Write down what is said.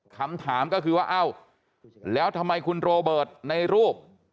คำถามก็คือว่าเอ้าแล้วทำไมคุณโรเบิร์ตในรูป